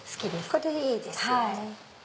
これいいですよね。